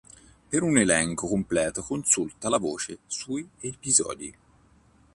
Per un elenco completo consulta la voce sui episodi.